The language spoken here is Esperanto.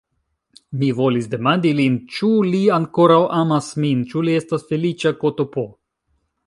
Mi volis demandi lin, ĉu li ankoraŭ amas min; ĉu li estas feliĉa ktp.